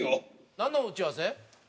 なんの打ち合わせ？